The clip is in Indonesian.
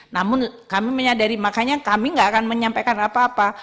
namun kami menyadari makanya kami nggak akan menyampaikan apa apa